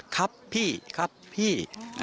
ครับพี่ครับพี่